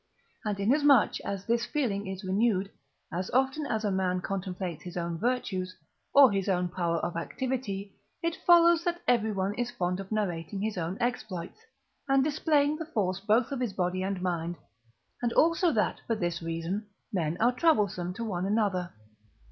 And inasmuch as this feeling is renewed as often as a man contemplates his own virtues, or his own power of activity, it follows that everyone is fond of narrating his own exploits, and displaying the force both of his body and mind, and also that, for this reason, men are troublesome to one another.